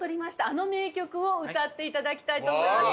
あの名曲を歌っていただきたいと思います。